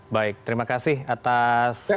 baik terima kasih atas